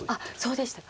そうでしたか。